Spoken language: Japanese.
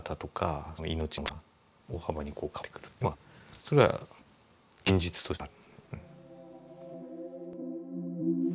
それは現実としてある。